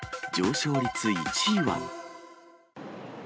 上昇率１位は。